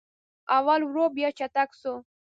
اول ورو و بیا چټک سو